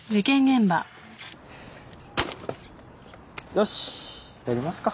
よしやりますか。